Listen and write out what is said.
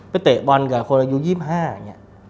เตะบอลกับคนอายุ๒๕อย่างนี้